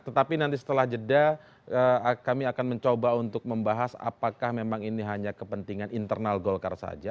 tetapi nanti setelah jeda kami akan mencoba untuk membahas apakah memang ini hanya kepentingan internal golkar saja